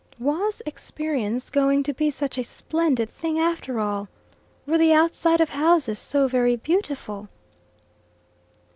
Was experience going to be such a splendid thing after all? Were the outside of houses so very beautiful?